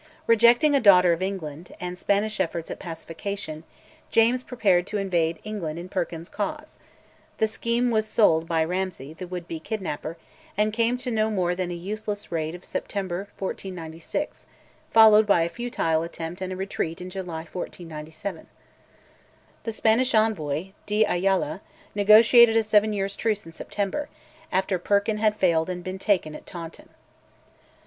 Rejecting a daughter of England, and Spanish efforts at pacification, James prepared to invade England in Perkin's cause; the scheme was sold by Ramsay, the would be kidnapper, and came to no more than a useless raid of September 1496, followed by a futile attempt and a retreat in July 1497. The Spanish envoy, de Ayala, negotiated a seven years' truce in September, after Perkin had failed and been taken at Taunton.